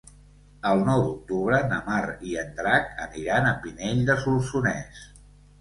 El nou d'octubre na Mar i en Drac aniran a Pinell de Solsonès.